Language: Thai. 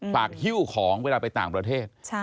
หิ้วของเวลาไปต่างประเทศ